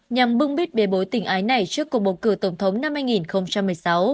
nhằm bưng bít bề bối tình ái này trước cuộc bầu cử tổng thống năm hai nghìn một mươi sáu